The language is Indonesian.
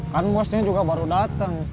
kan bosnya juga baru datang